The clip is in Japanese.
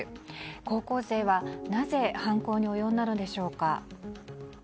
高校生はなぜ犯行に及んだのでしょうか。